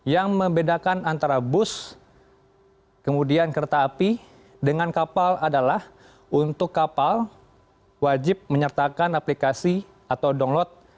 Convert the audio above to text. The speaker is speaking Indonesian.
yang membedakan antara bus kemudian kereta api dengan kapal adalah untuk kapal wajib menyertakan aplikasi atau download